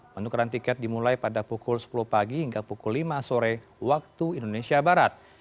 penukaran tiket dimulai pada pukul sepuluh pagi hingga pukul lima sore waktu indonesia barat